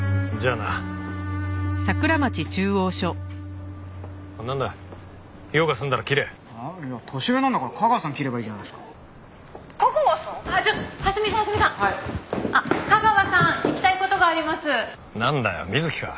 なんだよ水木か。